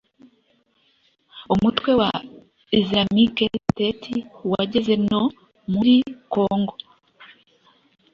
Umutwe wa Islamic State 'wageze no muri Kongo'